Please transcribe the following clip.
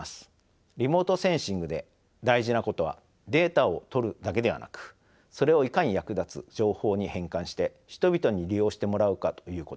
リモートセンシングで大事なことはデータを取るだけではなくそれをいかに役立つ情報に変換して人々に利用してもらうかということです。